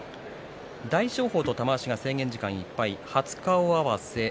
大翔鵬と玉鷲が制限時間いっぱい初顔合わせ。